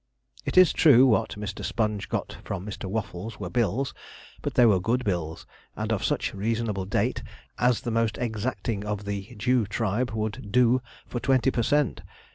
It is true, what Mr. Sponge got from Mr. Waffles were bills but they were good bills, and of such reasonable date as the most exacting of the Jew tribe would 'do' for twenty per cent.